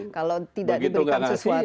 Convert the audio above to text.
kalau tidak diberikan sesuatu